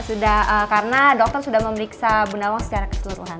sudah karena dokter sudah memeriksa bunda awang secara keseluruhan